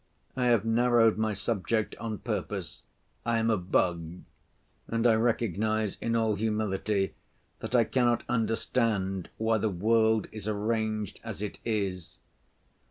I have narrowed my subject on purpose. I am a bug, and I recognize in all humility that I cannot understand why the world is arranged as it is.